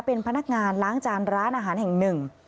เป็นพนักงานล้างจานร้านอาหารแห่งหนึ่ง